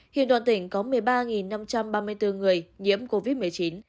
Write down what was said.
hiện toàn tỉnh có một mươi ba năm trăm ba mươi bốn người nhiễm covid một mươi chín